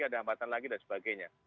ada hambatan lagi dan sebagainya